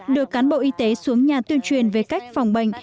được cán bộ y tế xuống nhà tuyên truyền về cách phòng bệnh